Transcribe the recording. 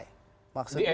di mk maksudnya